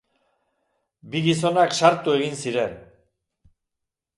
Bi gizonak sartu egin ziren.